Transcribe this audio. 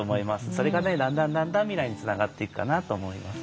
それが、だんだん未来につながっていくかなと思います。